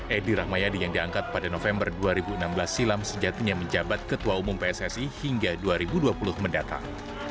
edi rahmayadi yang diangkat pada november dua ribu enam belas silam sejatinya menjabat ketua umum pssi hingga dua ribu dua puluh mendatang